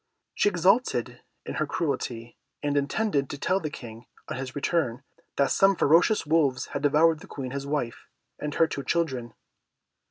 She exulted in her cruelty, and intended to tell the King, on his return, that some ferocious wolves had devoured the Queen his wife, and her two children.